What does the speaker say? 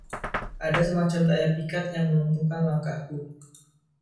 Ada semacam daya pikat yang melumpuhkan langkahku.